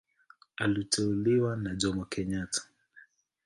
Aliteuliwa na Jomo Kenyatta.